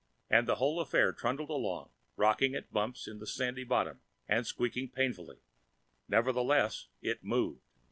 And the whole affair trundled along, rocking at bumps in the sandy bottom, and squeaking painfully; nevertheless, it moved.